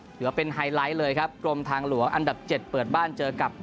ถือว่าเป็นไฮไลท์เลยครับกรมทางหลวงอันดับ๗เปิดบ้านเจอกับ